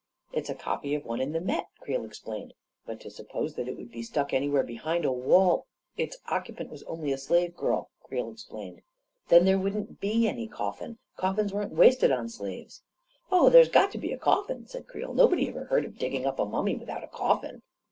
44 It's a copy of one in the Met.," Creel explained. 44 But to suppose that it would be stuck anywhere behind a wall ..." 44 Its occupant was only a slave girl," Creel ex plained. 44 Then there wouldn't be any coffin. Coffins weren't wasted on slaves," 44 Oh, there's got to be a coffin !" said Creel. 44 Nobody ever heard of digging up a mummy with out a coffin